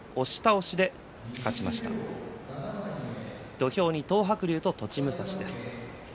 土俵に東白龍と栃武蔵です。